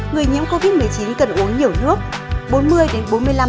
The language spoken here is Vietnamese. người nhiễm covid một mươi chín cần uống nhiều nước